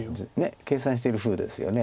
計算してるふうですよね